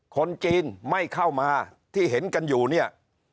คนจีนไม่เข้ามาที่เห็นกันอยู่เนี่ย